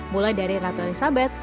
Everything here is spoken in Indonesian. mulai dari ratu elizabeth